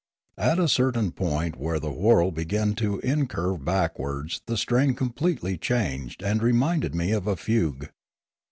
At a certain point where the whorl began to incurve backwards the strain completely changed and reminded me of a fugue.